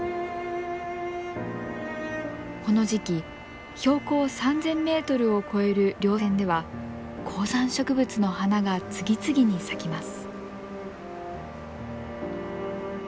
この時期標高３，０００メートルを超える稜線では高山植物の花が次々に咲きます。